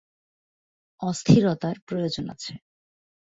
অস্থিরতার প্রয়োজন আছে।